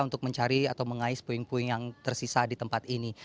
untuk mencari atau mengais puing puing yang tersisa di tempat ini